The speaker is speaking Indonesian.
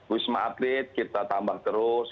wisma atlet kita tambah terus